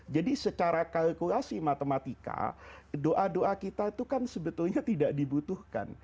jadi secara kalkulasi matematika doa doa kita itu kan sebetulnya tidak dibutuhkan